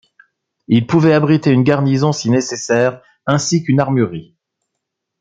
Il pouvait abriter une garnison si nécessaire ainsi qu'une armurerie.